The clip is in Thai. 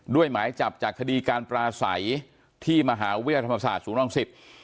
ด้วยหมายจับจากคดีการปลาใสที่มหาวิทยาธรรมศาสตร์ศูนย์วังสิทธิ์